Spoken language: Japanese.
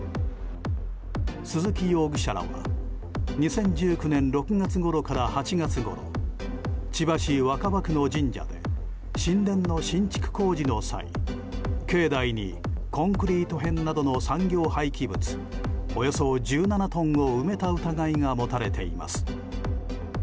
鈴木容疑者らは２０１９年の６月ごろから８月ごろ千葉市若葉区の神社で神殿の新築工事の際境内にコンクリート片などの産業廃棄物およそ１７トンを埋めた疑いが持たれています。